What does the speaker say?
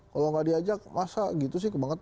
kalau nggak diajak masa gitu sih kebangetan gitu kan